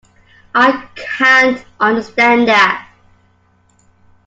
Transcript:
I can't understand that